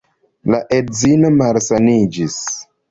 La edzino malsaniĝis.